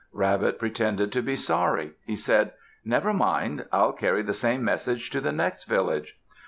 Rabbit pretended to be sorry. He said, "Never mind. I'll carry the same message to the next village."